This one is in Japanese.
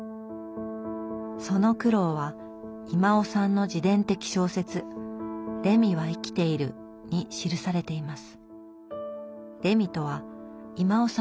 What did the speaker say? その苦労は威馬雄さんの自伝的小説「レミは生きている」に記されています。